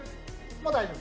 もう大丈夫。